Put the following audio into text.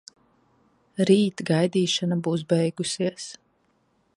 Rīt gaidīšana būs beigusies.